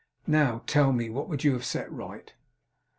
Now, tell me. What would you have set right?